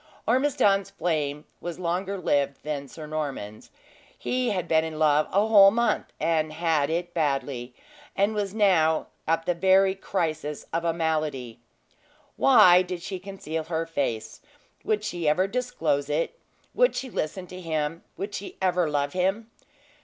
Ormiston's flame was longer lived than Sir Norman's; he had been in love a whole month, and had it badly, and was now at the very crisis of a malady. Why did she conceal her face would she ever disclose it would she listen to him would she ever love him?